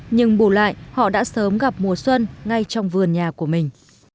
nhưng bù lại họ đã sớm gặp mùa xuân ngay trong vườn nhà của mình